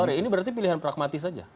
sorry ini berarti pilihan pragmatis saja